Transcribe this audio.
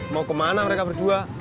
mau kemana mereka berdua